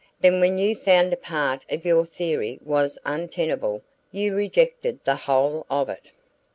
Then when you found a part of your theory was untenable you rejected the whole of it.